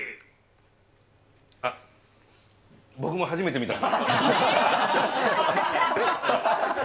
あっ、僕も初めて見た。